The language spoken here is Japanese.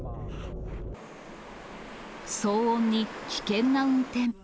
騒音に危険な運転。